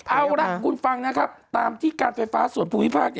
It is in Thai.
เอาละคุณฟังนะครับตามที่การไฟฟ้าส่วนภูมิภาค